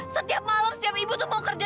setiap malam setiap ibu tuh mau kerja